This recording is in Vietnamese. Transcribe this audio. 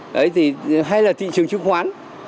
đấy thì hay là thị trường trừng khoán